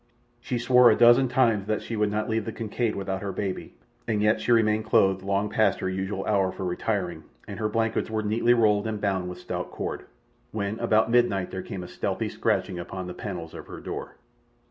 She swore a dozen times that she would not leave the Kincaid without her baby, and yet she remained clothed long past her usual hour for retiring, and her blankets were neatly rolled and bound with stout cord, when about midnight there came a stealthy scratching upon the panels of her door.